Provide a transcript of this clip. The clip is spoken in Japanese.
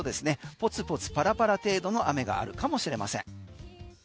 ポツポツパラパラ程度の雨があるかもしれません。